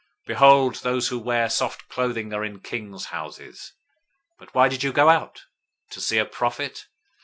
Behold, those who wear soft clothing are in king's houses. 011:009 But why did you go out? To see a prophet?